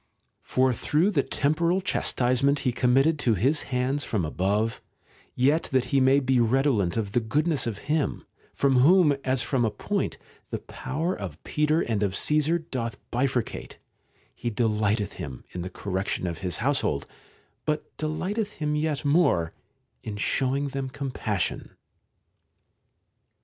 For though the temporal chastisement be committed to his hands from above, yet that he may be redolent of the goodness of Him, from whom, as from a point, the power of Peter and of Caesar doth bifurcate, he delighteth him in the correction of his household, but deliehteth him yet more in showing them compassion.